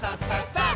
さあ！